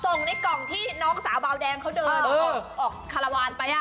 ส่งในกล่องที่น้องสาวเบาแดงเขาเดินออกคาราวานไป